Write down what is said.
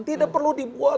tidak perlu dibuat